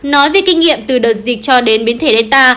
nói về kinh nghiệm từ đợt dịch cho đến biến thể gelta